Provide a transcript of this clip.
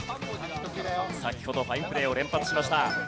先ほどファインプレーを連発しました。